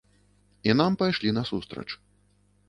І нам пайшлі насустрач.